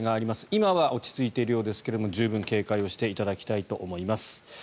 今は落ち着いているようですが十分警戒していただきたいと思います。